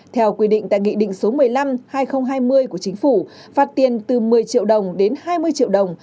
theo quy định tại nghị định số một mươi năm hai nghìn hai mươi của chính phủ phạt tiền từ một mươi triệu đồng đến hai mươi triệu đồng